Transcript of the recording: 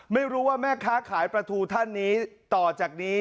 ไม่รู้ว่าแม่ค้าขายปลาทูท่านนี้ต่อจากนี้